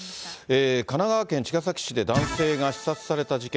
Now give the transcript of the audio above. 神奈川県茅ヶ崎市で男性が刺殺された事件。